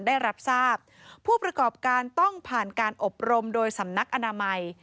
ได้รับทราบผู้ประกอบการต้องผ่านการอบรมโดยสำนักอนามัย